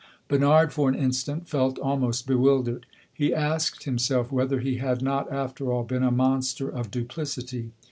Bernard, for an instant, felt almost bewildered; he asked himself whether he had not, after all, been a monster of duplicity.